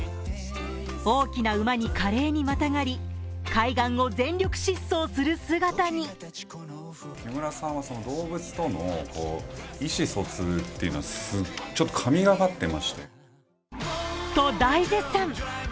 大きな馬に華麗にまたがり、海岸を全力疾走する姿にと大絶賛。